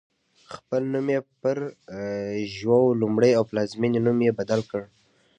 خپل نوم یې پر ژواو لومړی او پلازمېنې نوم یې بدل کړ.